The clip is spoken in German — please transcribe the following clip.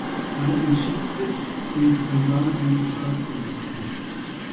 Man entschied sich, den Skandal einfach auszusitzen.